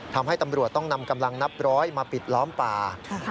ทำให้ตำรวจต้องนำกำลังนับร้อยมาปิดล้อมป่า